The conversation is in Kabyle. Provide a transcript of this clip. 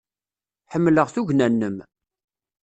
Ḥemmleɣ tugna-nnem.